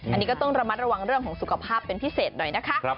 อันนี้ก็ต้องระมัดระวังเรื่องของสุขภาพเป็นพิเศษหน่อยนะคะ